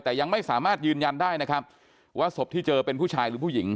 แต่ยังไม่สามารถยืนยันได้นะครับว่าศพที่เจอเป็นผู้ชายหรือผู้หญิง